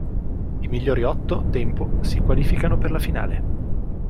I migliori otto tempo si qualificano per la finale.